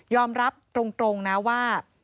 ยอมรับตรงนะว่า